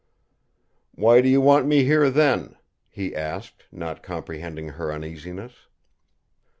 "Why do you want me here then?" he asked, not comprehending her uneasiness.